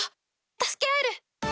助け合える。